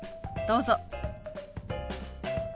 どうぞ。